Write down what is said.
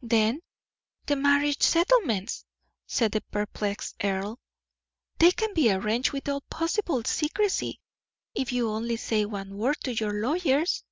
"Then the marriage settlements?" said the perplexed earl. "They can be arranged with all possible secrecy, if you only say one word to your lawyers."